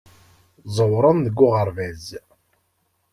Ẓewren deg uɣerbaz.